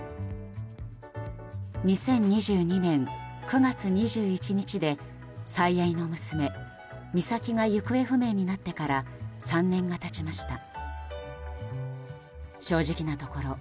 ２０２２年９月２１日で最愛の娘・美咲が行方不明になってから３年が経ちました。